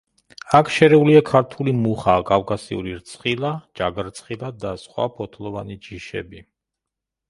აქ შერეულია ქართული მუხა, კავკასიური რცხილა, ჯაგრცხილა და სხვა ფოთლოვანი ჯიშები.